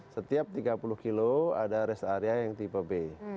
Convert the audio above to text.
setiap tiga puluh kilo ada rest area yang tipe b